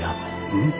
うん？